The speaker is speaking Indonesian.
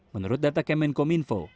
menurut data kemenko minfo